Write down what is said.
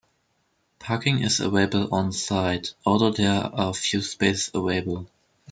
Parking is available on-site, although there are few spaces available.